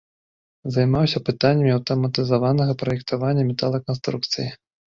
Займаўся пытаннямі аўтаматызаванага праектавання металаканструкцый.